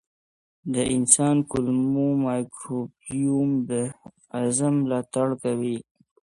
د انسان کولمو مایکروبیوم د هضم ملاتړ کوي.